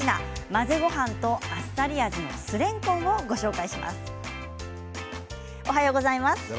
混ぜごはんとあっさり味の酢れんこんをご紹介します。